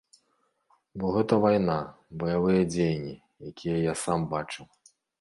Бо гэта вайна, баявыя дзеянні, якія я сам бачыў.